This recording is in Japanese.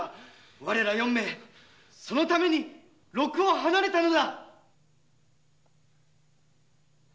我ら４名そのために禄を離れたのだ！